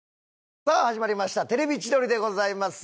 さあ始まりました『テレビ千鳥』でございます。